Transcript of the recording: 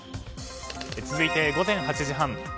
続いて午前８時半。